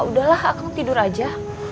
udah lah akang tidur aja